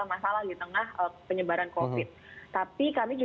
kalau bagi kami